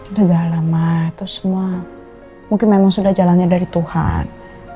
udah gak lama itu semua mungkin memang sudah jalannya dari tuhan